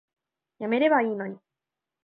やめればいいのに